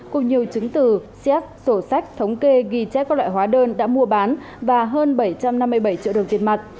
cùng nhiều chứng từ xét sổ sách thống kê ghi chép các loại hóa đơn đã mua bán và hơn bảy trăm năm mươi bảy triệu đồng tiền mặt